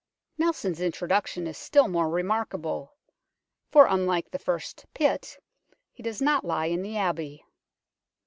Nelson's introduction is still more remarkable, for, unlike the first Pitt, he does not lie in the Abbey.